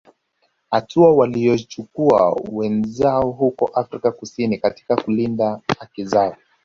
Hatua walioichukua wenzao huko Afrika kusini katika kulinda haki zao